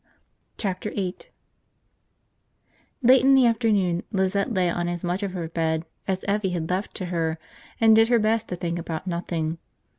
Chapter Eight LATE in the afternoon Lizette lay on as much of her bed as Evvie had left to her and did her best to think about nothing.